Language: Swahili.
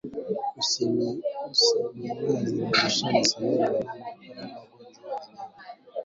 Usimamizi na ulishaji sahihi wa wanyama hukabiliana na ugonjwa wa minyoo